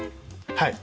はい。